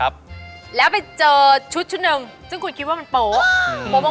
แบบกินนึงเนี่ยผมก็จะ